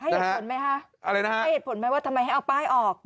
ให้เหตุผลไหมฮะทำไมให้เอาป้ายออกอะไรนะฮะ